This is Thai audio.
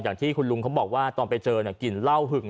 อย่างที่คุณลุงเขาบอกว่าตอนไปเจอกลิ่นเหล้าหึง